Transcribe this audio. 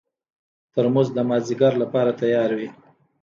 ترموز د مازدیګر لپاره تیار وي.